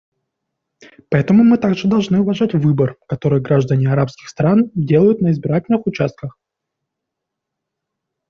Поэтому мы также должны уважать выбор, который граждане арабских стран делают на избирательных участках.